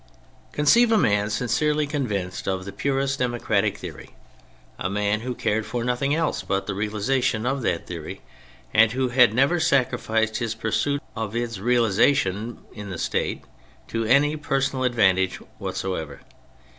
Conceive a man sincerely convinced of the purest democratic theory, a man who cared for nothing else but the realisation of that theory, and who had never sacrificed his pursuit of its realisation in the State to any personal advantage whatsoever.